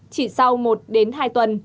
chỉ sau một đến hai tuần